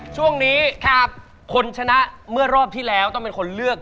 ช่วงนี้คนชนะเมื่อรอบที่แล้วต้องเป็นคนเลือก